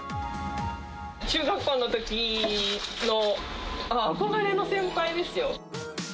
中学校のときの憧れの先輩ですよ。